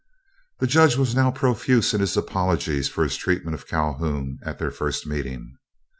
The Judge was now profuse in his apologies for his treatment of Calhoun at their first meeting.